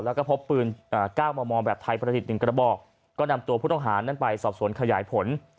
แล้วก็พบปืน๙มมแบบไทยประดิษฐ์๑กระบอกก็นำตัวผู้ต้องหานั้นไปสอบสวนขยายผล